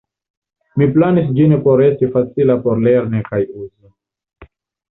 Mi planis ĝin por esti facila por lerni kaj uzi.